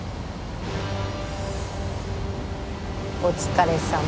お疲れさま。